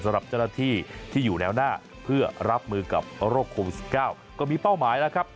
สำหรับเจ้าหน้าที่ที่อยู่แนวหน้าเพื่อรับมือกับโรคโควิด๑๙ก็มีเป้าหมายแล้วครับ